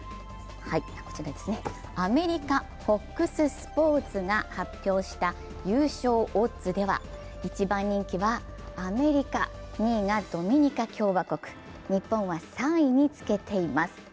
アメリカ・ＦＯＸスポーツが発表した優勝オッズでは、一番人気はアメリカ、２位がドミニカ共和国、日本は３位につけています。